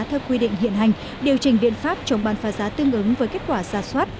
theo quy định hiện hành điều chỉnh biện pháp chống bán phá giá tương ứng với kết quả giả soát